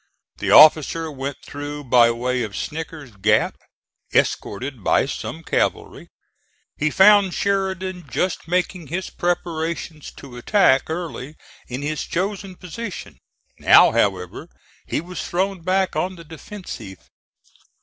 The officer went through by way of Snicker's Gap, escorted by some cavalry. He found Sheridan just making his preparations to attack Early in his chosen position. Now, however, he was thrown back on the defensive.